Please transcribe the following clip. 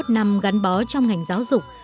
ba mươi một năm gắn bó trong ngành giáo dục